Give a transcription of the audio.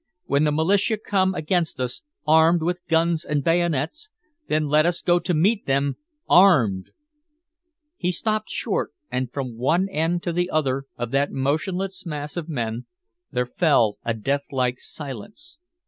When the militia come against us, armed with guns and bayonets, then let us go to meet them armed " He stopped short, and from one end to the other of that motionless mass of men there fell a death like silence.